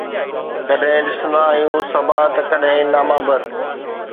ڪڏهن ڏسندا آهيون صبا ته ڪڏهن ناما بر